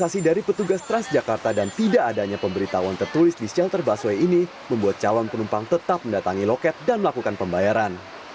investasi dari petugas transjakarta dan tidak adanya pemberitahuan tertulis di shelter busway ini membuat calon penumpang tetap mendatangi loket dan melakukan pembayaran